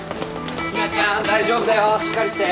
日菜ちゃん大丈夫だよしっかりして。